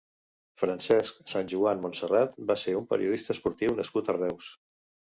Francesc Sanjuan Montserrat va ser un periodista esportiu nascut a Reus.